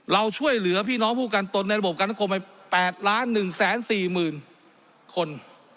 เราช่วยเหลือพี่น้องผู้ประกันตนต้นในระบบการการนักงคลม๘ล้าน๑๔๙คน